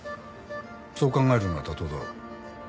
そう考えるのが妥当だろ？